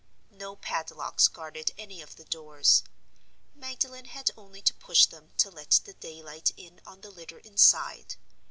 No padlocks guarded any of the doors. Magdalen had only to push them to let the daylight in on the litter inside.